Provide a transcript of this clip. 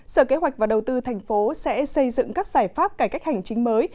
sở kế hoạch và đầu tư thành phố sẽ xây dựng các giải pháp cải cách hành chính mới